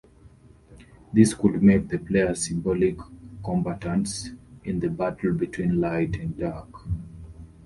This could make the players symbolic combatants in the battle between light and dark.